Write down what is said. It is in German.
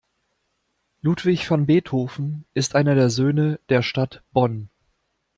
Ludwig van Beethoven ist einer der Söhne der Stadt Bonn.